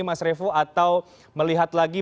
mas revo atau melihat lagi